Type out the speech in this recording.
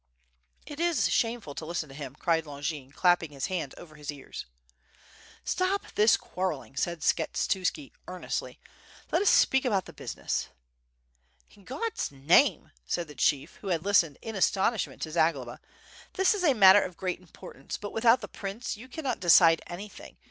"It is shameful to listen to him," cried Longin, clapping his hands over his ears. "Stop this quarreling," said Skshetuski, earnestly. "Let us speak about the business." 'In God's name!" said the chief, who had listened in as tonishment to Zagloba, "this is a matter of great importance, but without the prince you cannot decide anything.